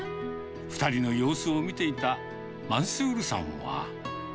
２人の様子を見ていたマンスールさんは。